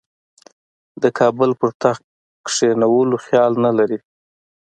د کابل پر تخت کښېنولو خیال نه لري.